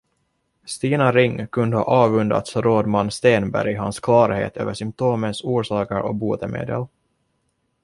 Stina Ring kunde ha avundats rådman Stenberg hans klarhet över symtomens orsaker och botemedel.